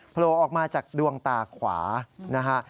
โผล่ออกมาจากดวงตาขวานะฮะ